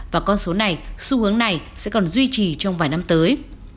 và con số này xu hướng này sẽ còn duy trì trong vài năm tới